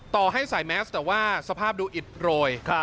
ต่อให้ใส่แมสแต่ว่าสภาพดูอิดโรย